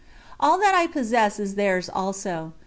All that I possess is theirs also.